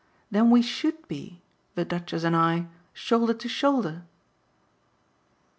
Then we SHOULD be the Duchess and I shoulder to shoulder!"